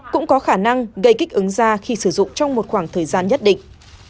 cũng có khả năng gây kích ứng da khi sử dụng trong một khoảng thời gian nhất định